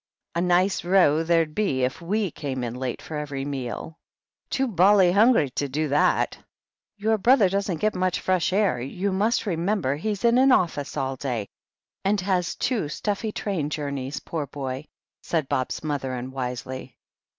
A nice row there'd be if we came in late for every meal !" "Too bally hungry to do that !" "Your brother doesn't get much fresh air. You must remember he's in an office all day, and has two stuffy train journeys, poor boy," said Bob's mother unwisely.